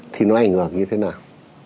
thì nó ảnh hưởng như thế nào